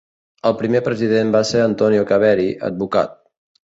El primer president va ser Antonio Caveri, advocat.